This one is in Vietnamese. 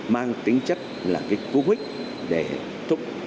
mang tính chất là cái cú khích